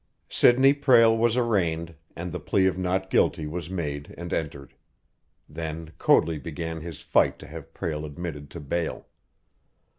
Sidney Prale was arraigned, and the plea of not guilty was made and entered. Then Coadley began his fight to have Prale admitted to bail.